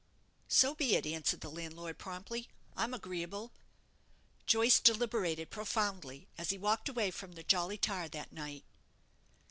"So be it," answered the landlord, promptly. "I'm agreeable." Joyce deliberated profoundly as he walked away from the 'Jolly Tar' that night.